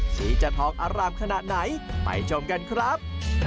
สีจะทองอร่ามขนาดไหนไปชมกันครับ